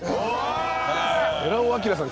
「寺尾聰さん